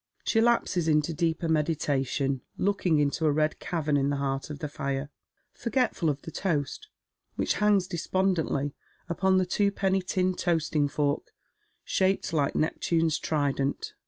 She lapses into deeper meditation, loolfing into a red cavern in the heart of the fire, forgetl'ul of the toast which hangs despon dently upon the twopenny tin toasting fork, shaped like Neptune's trident.